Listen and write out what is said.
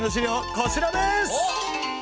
こちらです！